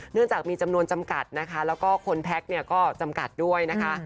เนื่องจากมีจำนวนจำกัดนะคะแล้วก็คนแพ็คเนี่ยก็จำกัดด้วยนะคะ